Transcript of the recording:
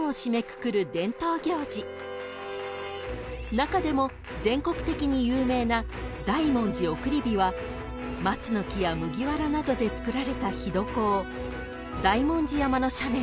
［中でも全国的に有名な大文字送り火は松の木や麦わらなどで作られた火床を大文字山の斜面